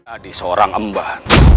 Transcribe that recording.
tadi seorang embah